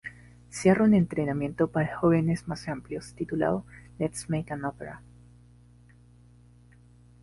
Cierra un entretenimiento para jóvenes más amplio, titulado "Let's Make an Opera!